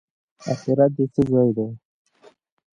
اخرت د څه ځای دی؟